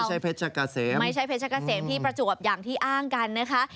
เพชรกะเสมไม่ใช่เพชรกะเสมที่ประจวบอย่างที่อ้างกันนะคะ